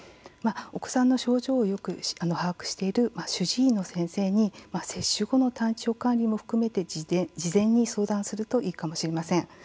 お子さんの症状をよく把握している主治医の先生に接種後の体調管理も含めて事前に相談するといいかもしれません。